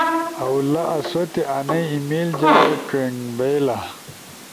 ۔او لا آسوتے انئی ای میل جا ڇوئنگ بئیلا۔